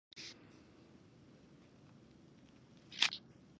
Smith was wearing high heels to make up for her short stature.